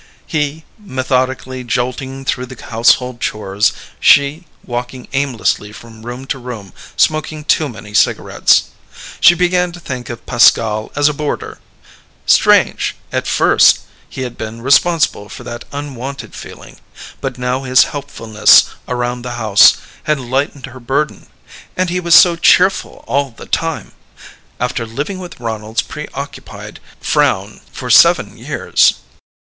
He, methodically jolting through the household chores; she, walking aimlessly from room to room, smoking too many cigarettes. She began to think of Pascal as a boarder. Strange at first he had been responsible for that unwanted feeling. But now his helpfulness around the house had lightened her burden. And he was so cheerful all the time! After living with Ronald's preoccupied frown for seven years